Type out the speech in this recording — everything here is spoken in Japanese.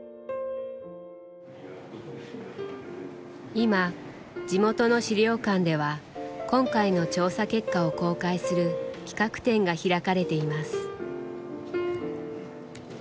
今地元の資料館では今回の調査結果を公開する企画展が開かれています。